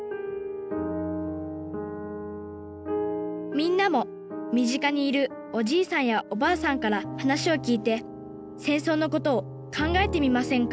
みんなも身近にいるおじいさんやおばあさんから話を聞いて戦争のことを考えてみませんか？